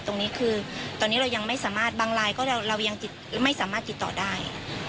ตรงนี้คือตอนนี้เรายังไม่สามารถบางรายก็เรายังไม่สามารถติดต่อได้